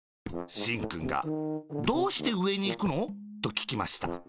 しんくんが「どうしてうえにいくの？」とききました。